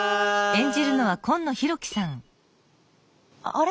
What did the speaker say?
あれ？